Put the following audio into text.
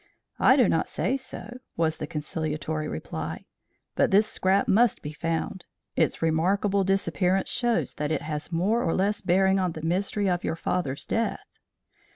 "I do not say so," was the conciliatory reply. "But this scrap must be found. Its remarkable disappearance shows that it has more or less bearing on the mystery of your father's death."